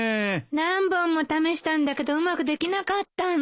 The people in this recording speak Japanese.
何本も試したんだけどうまくできなかったの。